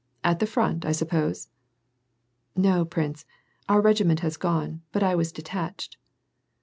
At the front, I suppose ?" "No, prince; our regiment has gone, but I was detached.